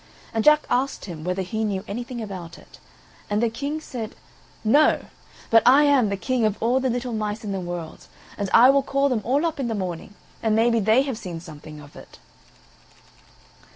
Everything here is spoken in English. And Jack asked him whether he knew anything about it; and the King said: "No, but I am the King of all the little mice in the world, and I will call them all up in the morning, and maybe they have seen something of it."